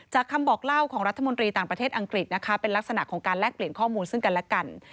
คำบอกเล่าของรัฐมนตรีต่างประเทศอังกฤษนะคะเป็นลักษณะของการแลกเปลี่ยนข้อมูลซึ่งกันและกัน